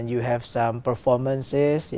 đúng tôi mong là vậy